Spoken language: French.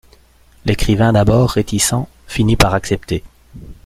L'écrivain d'abord réticent finit par accepter.